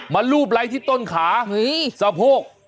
มันลูบไลค์ที่ต้นขาเฮ้ยสะโพก